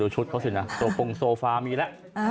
ชุดเขาสินะโทรโปรงโซฟ้ามีละ